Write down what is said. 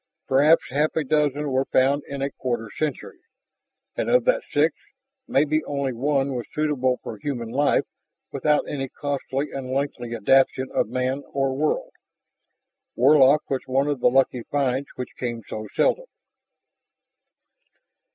Perhaps half a dozen were found in a quarter century, and of that six maybe only one was suitable for human life without any costly and lengthy adaption of man or world. Warlock was one of the lucky finds which came so seldom.